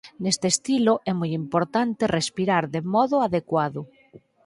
Neste estilo é moi importante respirar de modo adecuado.